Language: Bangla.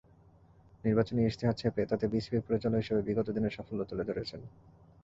নির্বাচনী ইশতেহার ছেপে তাতে বিসিবির পরিচালক হিসেবে বিগত দিনের সাফল্য তুলে ধরেছেন।